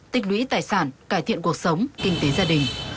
tích lũy tài sản cải thiện cuộc sống kinh tế gia đình